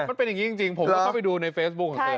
มันเป็นอย่างนี้จริงผมเข้าไปดูในเฟซบุงของเคยแล้ว